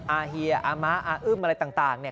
อาเฮียอามะอาอึ้มอะไรต่างเนี่ย